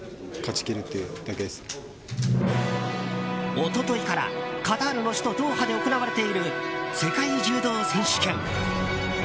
一昨日からカタールの首都ドーハで行われている世界柔道選手権。